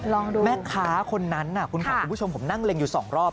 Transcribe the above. ลองดูแม่ค้าคนนั้นคุณขวัญคุณผู้ชมผมนั่งเล็งอยู่สองรอบ